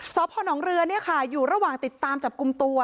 สพนเรืออยู่ระหว่างติดตามจับกลุ่มตัว